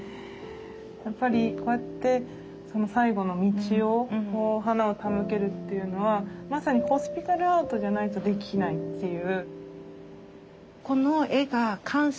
やっぱりこうやって最後の道を花を手向けるっていうのはまさにホスピタルアートじゃないとできないっていう。